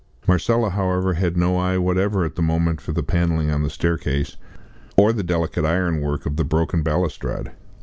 Marcella, however, had no eye whatever at the moment for the panelling on the staircase, or the delicate ironwork of the broken balustrade.